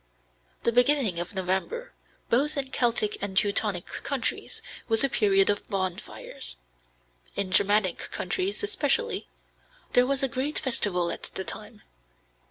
The beginning of November, both in Celtic and Teutonic countries, was a period of bonfires. In Germanic countries especially there was a great festival at the time.